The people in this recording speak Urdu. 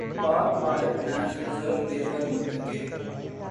پاک بھارت میچ ریزرو ڈے پر منتقل